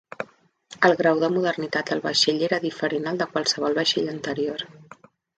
El grau de modernitat del vaixell era diferent al de qualsevol vaixell anterior.